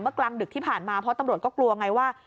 กลางดึกที่ผ่านมาเพราะตำรวจก็กลัวไงว่า